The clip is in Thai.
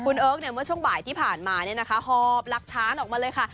คุณเอิร์กเมื่อช่วงบ่ายที่ผ่านมาหอบหลักฐานออกมาเลยค่ะ